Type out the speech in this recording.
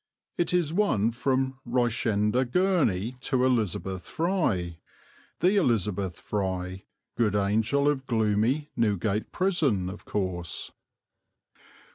It is one from Richenda Gurney to Elizabeth Fry the Elizabeth Fry, good angel of gloomy Newgate Prison, of course.